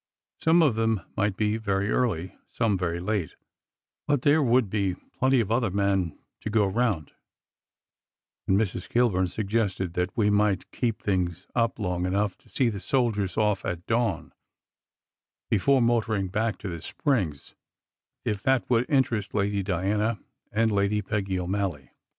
Some of them might be very early, some very late, but there would be plenty of other men to go round; and Mrs. Kilburn suggested that we might "keep things up" long enough to see the soldiers off at dawn, before motoring back to the Springs, if that would interest Lady Diana and Lady Peggy O Malley.